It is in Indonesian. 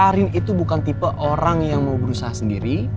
karin itu bukan tipe orang yang mau berusaha sendiri